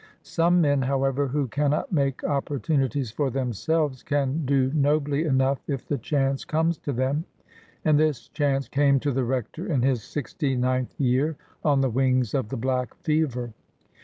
Some men, however, who cannot make opportunities for themselves, can do nobly enough if the chance comes to them; and this chance came to the Rector in his sixty ninth year, on the wings of the black fever.